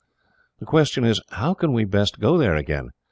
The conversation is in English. The question is, how can we best go there again?